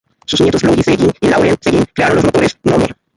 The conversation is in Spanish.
Sus nietos Louis Seguin y Laurent Seguin crearon los motores Gnome.